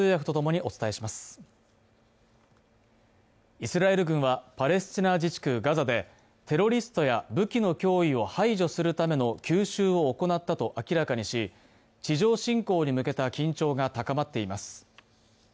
イスラエル軍はパレスチナ自治区ガザでテロリストや武器の脅威を排除するための急襲を行ったと明らかにし地上侵攻に向けた緊張が高まっています。